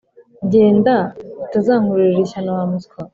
genda utazankururira ishyano wamuswawe…